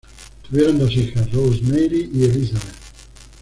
Tuvieron dos hijas, Rosemary y Elizabeth.